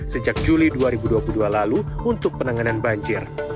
sejak juli dua ribu dua puluh dua lalu untuk penanganan banjir